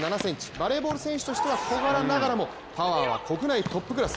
バレーボール選手としては小柄ながらもパワーは国内トップクラス。